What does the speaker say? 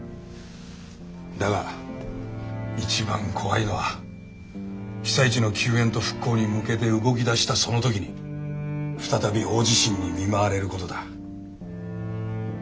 だが一番怖いのは被災地の救援と復興に向けて動き出したその時に再び大地震に見舞われることだ。